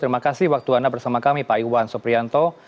terima kasih waktu anda bersama kami pak iwan suprianto